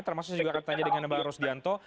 termasuk saya juga akan tanya dengan mbak rusdianto